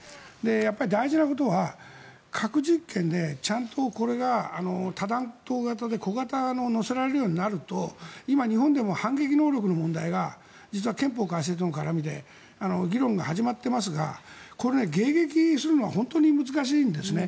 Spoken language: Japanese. やっぱり大事なことは核実験でちゃんとこれが多弾頭型で、小型で載せられるようになると今、日本でも反撃能力の問題が実は憲法改正との絡みで議論が始まっていますがこれ、迎撃するのは本当に難しいんですね。